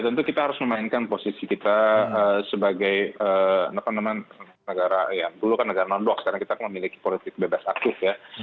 tentu kita harus memainkan posisi kita sebagai negara yang dulu kan negara non box sekarang kita memiliki politik bebas aktif ya